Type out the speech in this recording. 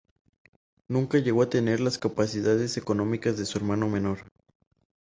Nunca llegó a tener las capacidades económicas de su hermano menor.